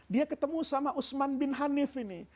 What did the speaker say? dia ketemu sama usman bin hanif ini